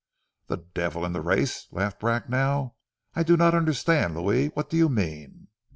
"The devil in the race?" laughed Bracknell. "I do not understand, Louis. What do you mean?"